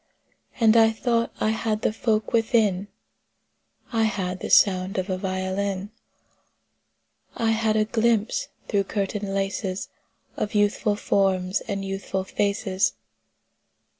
And I thought I had the folk within: I had the sound of a violin; I had a glimpse through curtain laces Of youthful forms and youthful faces.